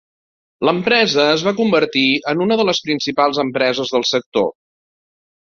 L'empresa es va convertir en una de les principals empreses del sector.